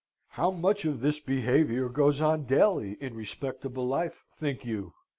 How much of this behaviour goes on daily in respectable life, think you?